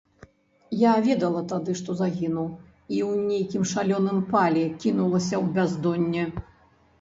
Я ведала тады, што загіну, і ў нейкім шалёным пале кінулася ў бяздонне.